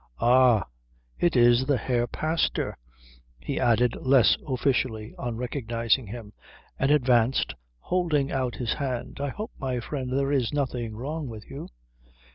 "Ah it is the Herr Pastor," he added less officially on recognising him, and advanced holding out his hand. "I hope, my friend, there is nothing wrong with you?"